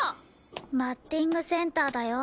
バッティングセンターだよ。